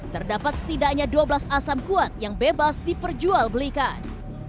terdapat setidaknya dua belas asam kuat yang bebas diperjual belikan